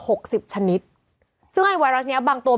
ซึ่งไวรัสนี้บางทีตัวคือบางที